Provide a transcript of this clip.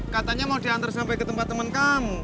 katanya mau diantar sampai ke tempat teman kamu